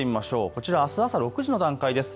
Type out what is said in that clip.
こちら、あす朝６時の段階です。